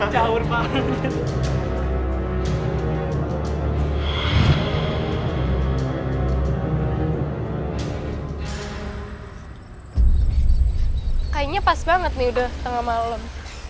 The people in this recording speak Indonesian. kayaknya pas banget nih udah tengah malem